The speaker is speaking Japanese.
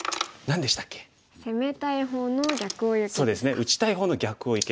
「打ちたい方の逆をゆけ！」。